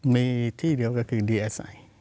มีที่เดียวก็คือดีเอสไอ